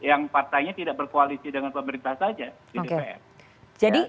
yang partainya tidak berkoalisi dengan pemerintah saja